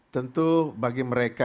tentu bagi mereka